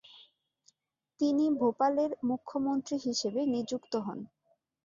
তিনি ভোপালের মুখ্যমন্ত্রী হিসেবে নিযুক্ত হন।